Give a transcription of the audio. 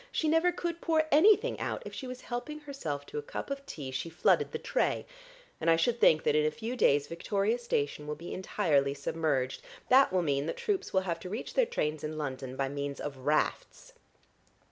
She never could pour anything out; if she was helping herself to a cup of tea she flooded the tray, and I should think that in a few days Victoria station will be entirely submerged. That will mean that troops will have to reach their trains in London by means of rafts."